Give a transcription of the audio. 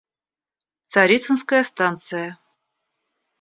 Царицынская станция.